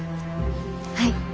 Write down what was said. はい。